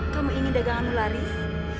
kamu ingin daganganmu laris